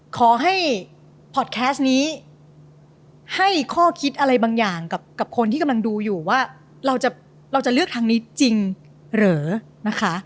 ขอให้พอดแคสต์นี้ให้ข้อคิดอะไรบางอย่างกับคนที่กำลังดูอยู่ว่าเราจะเลือกทางนี้จริงหรือนะคะ